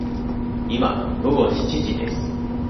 今、午後七時です。